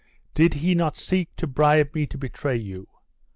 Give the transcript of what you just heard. Did he not seek to bribe me to betray you?